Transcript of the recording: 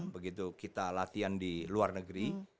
begitu kita latihan di luar negeri